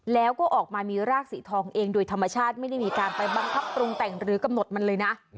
แล้วก็ออกมามีรากสีทองเองโดยธรรมชาติไม่ได้มีการไปบังคับปรุงแต่งหรือกำหนดมันเลยนะ